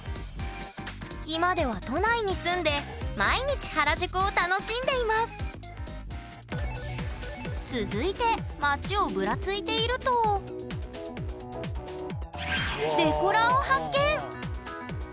今では都内に住んで毎日原宿を楽しんでいます続いて街をブラついているとデコラーを発見！